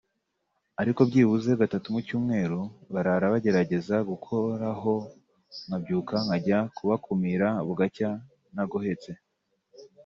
ariko byibuze gatatu mu cyumweru barara bagerageza gukoraho nkabyuka njya kubakumira bugacya ntagohetse